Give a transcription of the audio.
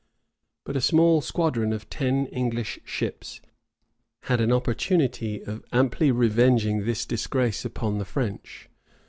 But a small squadron of ten English ships had an opportunity of amply revenging this disgrace upon the French.